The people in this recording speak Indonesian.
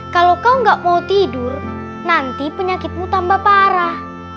kalau kau gak mau tidur nanti penyakitmu tambah parah